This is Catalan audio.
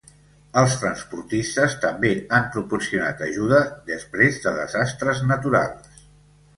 Els transportistes també han proporcionat ajuda després de desastres naturals.